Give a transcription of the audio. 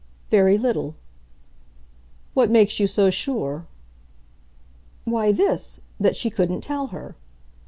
"Very little." "What makes you so sure?" "Why, this that she couldn't tell her."